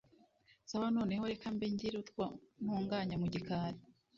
sawa noneho reka mbe ngira utwo ntunganya mugikari